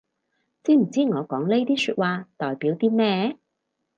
知唔知我講呢啲說話代表啲咩